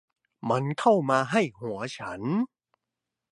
มันเข้ามาให้หัวฉัน